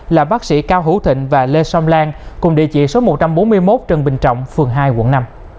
là bác sĩ cao hữu thịnh và lê song lan cùng địa chỉ số một trăm bốn mươi một trần bình trọng phường hai quận năm